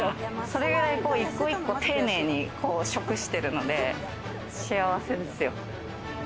それくらい１個一個丁寧に食してるので幸せですよ。